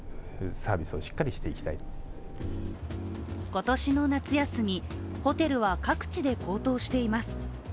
今年の夏休み、ホテルは各地で高騰しています。